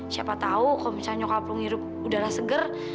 siapa tahu kalau misalnya nyokap lu ngirip udara seger